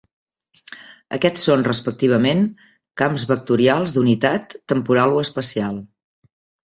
Aquests són, respectivament, camps vectorials "d'unitat" temporal o espacial.